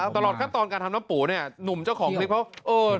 ตลอดขั้นตอนการทำน้ำปูนุ่มเจ้าของก็